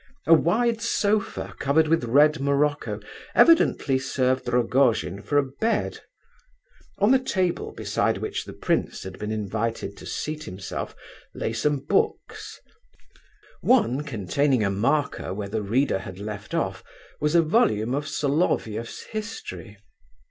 A wide sofa covered with red morocco evidently served Rogojin for a bed. On the table beside which the prince had been invited to seat himself lay some books; one containing a marker where the reader had left off, was a volume of Solovieff's History.